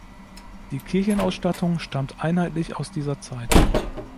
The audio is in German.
Die Kirchenausstattung stammt einheitlich aus dieser Zeit.